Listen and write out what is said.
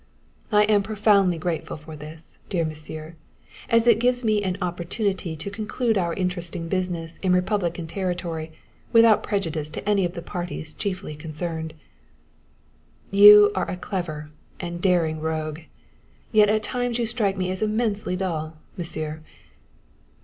I am profoundly grateful for this, dear Monsieur, as it gives me an opportunity to conclude our interesting business in republican territory without prejudice to any of the parties chiefly concerned. "You are a clever and daring rogue, yet at times you strike me as immensely dull, Monsieur.